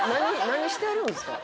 何何してるんすか？